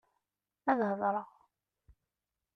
Ad hedṛeɣ.